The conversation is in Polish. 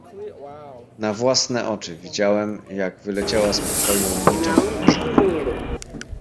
"Na własne oczy widziałem jak wyleciała z pokoju niczem oparzona."